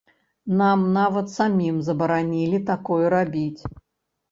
Нам нават самім забаранілі такое рабіць!